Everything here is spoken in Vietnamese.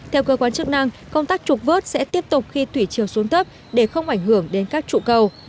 theo cơ quan chức năng công tác trục vớt sẽ tiếp tục khi thủy chiều xuống thấp để không ảnh hưởng đến các trụ cầu